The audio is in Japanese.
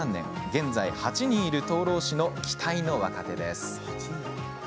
現在８人いる灯籠師の期待の若手です。